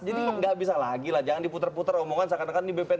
jadi nggak bisa lagi lah jangan diputer puter omongan seakan akan ini bpn dua